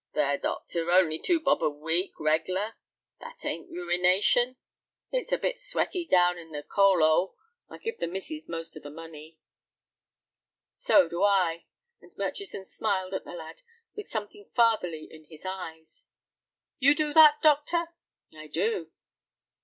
"Ther, doctor, only two bob a week—reg'lar. That ain't ruination. It's a bit sweaty down in the coal 'ole. I give the missus most of the money." "So do I," and Murchison smiled at the lad with something fatherly in his eyes. "You do that, doctor?" "I do."